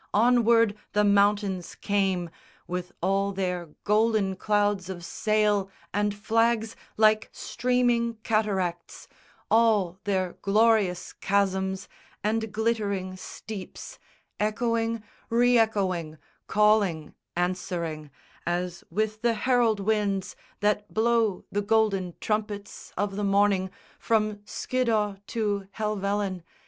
Onward the mountains came With all their golden clouds of sail and flags Like streaming cataracts; all their glorious chasms And glittering steeps, echoing, re echoing, Calling, answering, as with the herald winds That blow the golden trumpets of the morning From Skiddaw to Helvellyn.